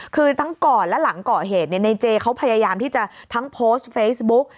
คือทั้งก่อนและหลังก่อเหตุในเจเขาพยายามที่จะทั้งโพสต์เฟซบุ๊ก